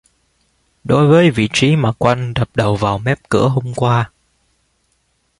Đối với vị trí mà Quân đập đầu vào mép cửa hôm qua